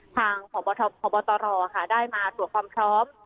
ทางของบอตรอได้มาตรวจความพร้อม